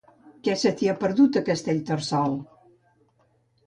Què se t'hi ha perdut, a Castellterçol?